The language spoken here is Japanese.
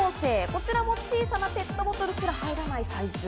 こちらも小さなペットボトルすら入らないサイズ。